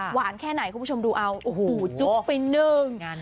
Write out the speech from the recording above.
แค่ไหนคุณผู้ชมดูเอาโอ้โหจุ๊บไปหนึ่ง